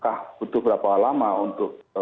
apakah butuh berapa lama untuk